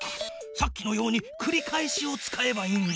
さっきのようにくり返しを使えばいいんだ。